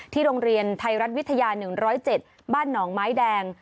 โรงเรียนไทยรัฐวิทยา๑๐๗บ้านหนองไม้แดง